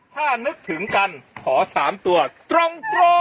ถ้านึกถึงกันขอ๓ตัวตรง